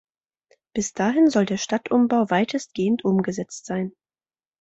Bis dahin soll der Stadtumbau weitestgehend umgesetzt sein.